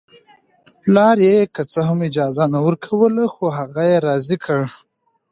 پلار یې که څه هم اجازه نه ورکوله خو هغه یې راضي کړ